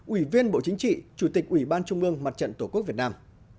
ủy viên bộ chính trị chủ tịch ủy ban trung ương mặt trận tổ quốc việt nam